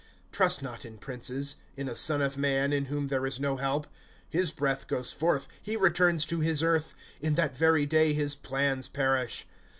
^ Trust not in princes, In a son of man, in whom there is no help. * His breath goes forth, he returns to his earth ; In that very day his plans perish.